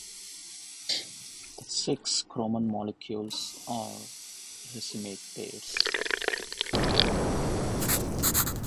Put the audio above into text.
The six chroman molecules are racemate pairs.